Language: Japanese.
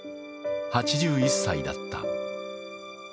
８１歳だった。